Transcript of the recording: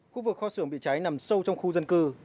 khu vực kho xưởng bị cháy nằm sâu trong khu dân cư